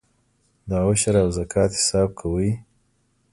د عشر او زکات حساب کوئ؟